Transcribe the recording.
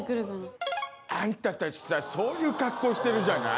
あんたたちさそういう格好してるじゃない。